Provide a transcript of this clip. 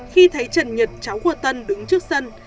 khi thấy trần nhật cháu của tân đứng trước sân